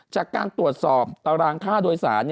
จากการตรวจสอบตารางค่าโดยสาร